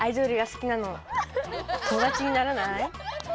友だちにならない？